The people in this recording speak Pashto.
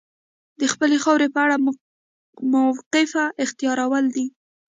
د خپلې خاورې په اړه موقف اختیارول دي.